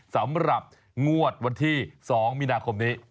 สำหรับงวดวันที่๒มีนาคมนี้